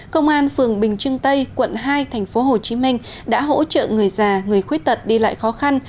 công an phường bình trưng tây quận hai thành phố hồ chí minh đã hỗ trợ người già người khuyết tật đi lại khó khăn